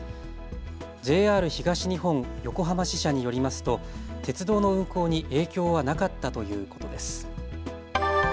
ＪＲ東日本横浜支社によりますと鉄道の運行に影響はなかったということです。